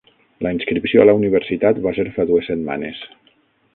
La inscripció a la universitat va ser fa dues setmanes.